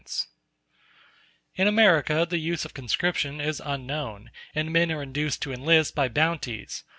]] In America the use of conscription is unknown, and men are induced to enlist by bounties.